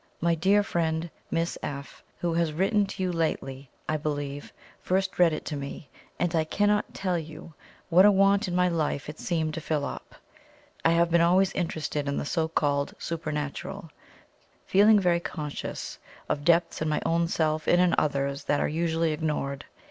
My dear friend Miss F , who has written to you lately I believe, first read it to me, and I cannot tell you what a want in my life it seemed to fill up. I have been always interested in the so called Supernatural, feeling very conscious of depths in my own self and in others that are usually ignored.